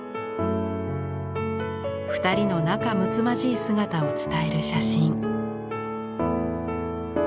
２人の仲むつまじい姿を伝える写真。